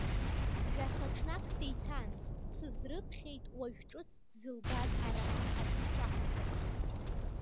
Жәахаҽнак сиҭан, дсызрыԥхьеит уажә ҿыц дзылгаз ароман ацыԥҵәахақәак.